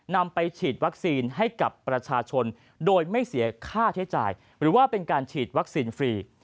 นำไปฉีดวัคซีนให้กับประชาชนโดยไม่เสียค่าใช้จ่ายหรือว่าเป็นการฉีดวัคซีนฟรี